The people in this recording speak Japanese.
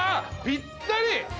ぴったり。